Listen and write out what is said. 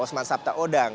osman sapta odang